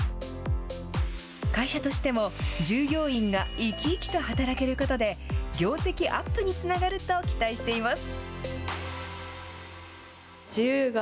会社としても従業員が生き生きと働けることで業績アップにつながると期待しています。